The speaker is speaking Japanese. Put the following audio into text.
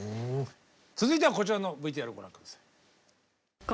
続いてはこちらのＶＴＲご覧下さい。